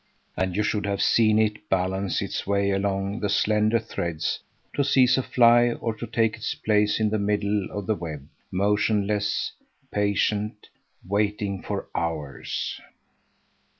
And you should have seen it balance its way along the slender threads to seize a fly or to take its place in the middle of the web, motionless, patient, waiting for hours.